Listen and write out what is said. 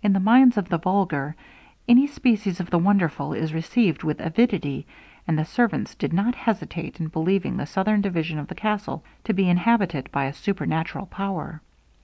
In the minds of the vulgar, any species of the wonderful is received with avidity; and the servants did not hesitate in believing the southern division of the castle to be inhabited by a supernatural power.